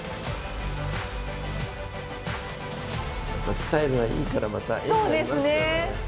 スタイルがいいからまた絵になりますよね。